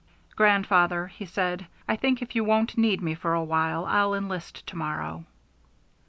"Grandfather," he said, "I think if you won't need me for a while I'll enlist to morrow."